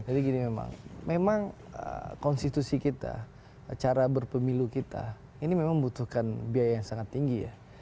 jadi gini memang memang konstitusi kita cara berpemilu kita ini memang membutuhkan biaya yang sangat tinggi ya